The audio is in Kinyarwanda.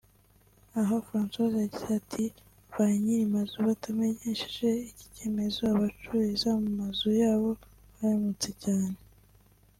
Aha Françoise yagize ati « ba nyir’amazu batamenyesheje iki cyemezo abacururiza mu mazu yabo barahemutse cyane